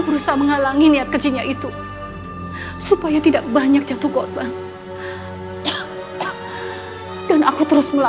biar aku penggisa